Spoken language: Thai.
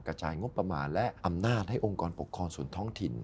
กระจายงบประมาณและอำนาจให้องค์กรปกครองส่วนท้องถิ่น